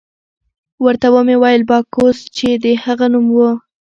ورته ومې ویل: باکوس، چې د هغه نوم وو.